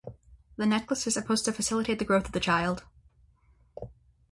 The necklace is supposed to facilitate the growth of the child.